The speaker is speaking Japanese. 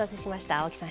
青木さん